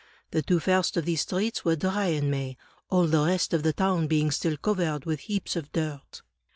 The two first of these streets were dry in May, all the rest of the town being still covered with heaps of dirt."